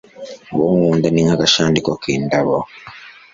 uwo nkunda ni nk'agashandiko k'indabo